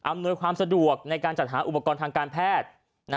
ความสะดวกในการจัดหาอุปกรณ์ทางการแพทย์